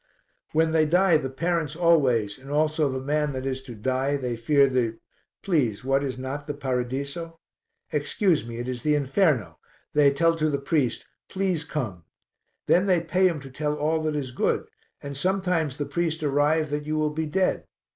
"When they die the parents always, and also the man that is to die, they fear the please, what is not the paradiso? Excuse me, it is the inferno: and they tell to the priest 'Please come.' Then they pay him to tell all that is good, and sometimes the priest arrive that you will be dead.